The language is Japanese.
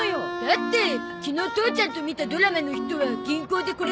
だって昨日父ちゃんと見たドラマの人は銀行でこれかぶってたよ。